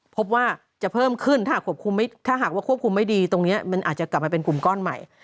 พบว่าจะเพิ่มขึ้นถ้าหากว่าควบคุมไม่ดีตรงนี้มันอาจจะกลับมาเป็นกลุ่มก้อนใหม่